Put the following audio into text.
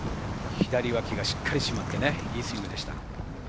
左脇がしっかり締まって、いいスイングです。